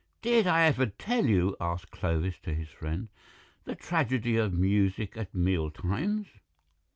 "Did I ever tell you," asked Clovis of his friend, "the tragedy of music at mealtimes?